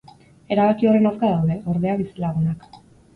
Erabaki horren aurka daude, ordea, bizilagunak.